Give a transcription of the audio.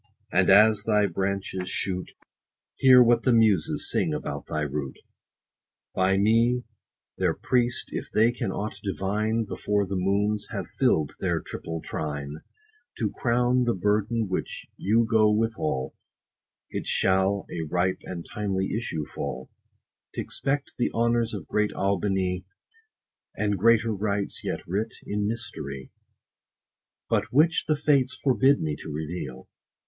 and as thy branches shoot, 90 Hear what the Muses sing about thy root, By me, their priest, if they can aught divine : Before the moons have fill'd their triple trine, To crown the burden which you go withal, It shall a ripe and timely issue fall, T' expect the honors of great AUBIGNY ; And greater rites, yet writ in mystery, But which the fates forbid me to reveal.